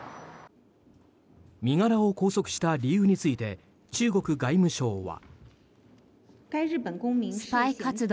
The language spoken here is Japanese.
身柄を拘束した理由について中国外務省は。